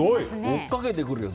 追っかけてくるよ。